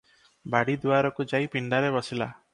ବାଡ଼ି ଦୁଆରକୁ ଯାଇ ପିଣ୍ଡାରେ ବସିଲା ।